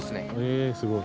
ええすごい。